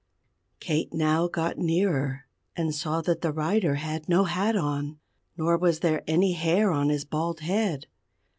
Kate now got nearer, and saw that the rider had no hat on, nor was there any hair on his bald head.